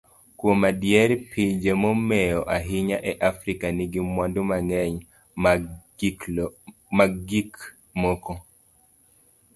Kuom adier, pinje momewo ahinya e Afrika nigi mwandu mang'eny mag gik moko.